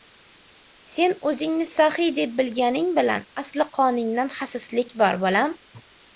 Sen o‘zingni sahiy deb bilganing bilan, asli qoningda xasislik bor, bolam.